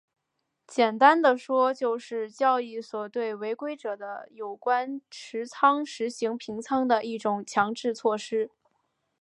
简单地说就是交易所对违规者的有关持仓实行平仓的一种强制措施。